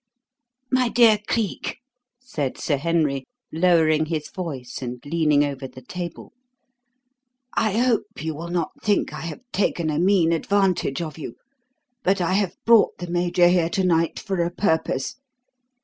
"My dear Cleek," said Sir Henry, lowering his voice and leaning over the table, "I hope you will not think I have taken a mean advantage of you, but I have brought the Major here to night for a purpose.